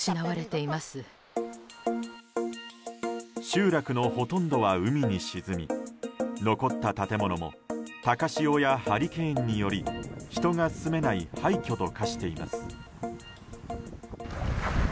集落のほとんどは海に沈み残った建物も高潮やハリケーンにより人が住めない廃墟と化しています。